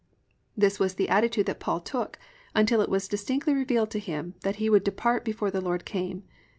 This was the attitude that Paul took until it was distinctly revealed to him that he would depart before the Lord came.